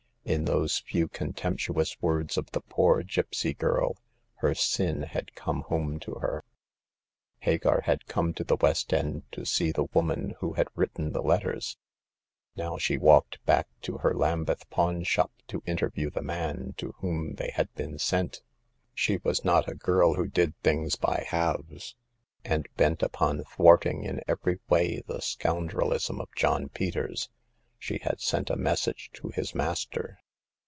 In those few contemptuous words of the poor gipsy girl, her sin had come home to her. Hagar had come to the West end to see the woman who had written the letters; now she walked back to her Lambeth pawn shop to in terview the man to who they had been sent. She was not a girl who did things by halves ; and, bent upon thwarting in every way the scoundrelism of John Peters, she had sent a mes sage to his master.